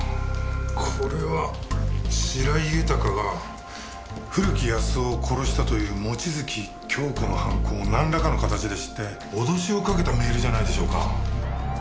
これは白井豊が古木保男を殺したという望月京子の犯行をなんらかの形で知って脅しをかけたメールじゃないでしょうか？